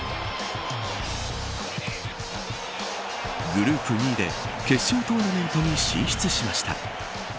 グループ２位で決勝トーナメントに進出しました。